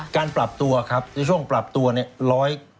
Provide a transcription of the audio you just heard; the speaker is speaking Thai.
การปรับตัวครับในช่วงปรับตัวเนี่ย